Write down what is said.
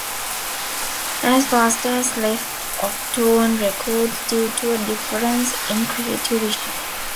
As Fast As left Octone Records due to "a difference in creative vision".